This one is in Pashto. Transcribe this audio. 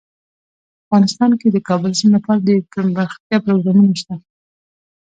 افغانستان کې د د کابل سیند لپاره دپرمختیا پروګرامونه شته.